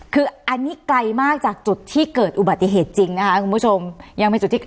คืออันนี้ไกลมากจากจุดที่เกิดอุบัติเหตุจริงนะคะคุณผู้ชมยังเป็นจุดที่